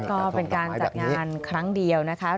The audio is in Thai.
ก็เป็นการจัดงานครั้งเดียวนะคะ